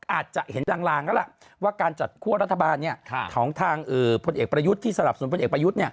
อาจจะเห็นลางแล้วล่ะว่าการจัดคั่วรัฐบาลของทางพลเอกประยุทธ์ที่สนับสนพลเอกประยุทธ์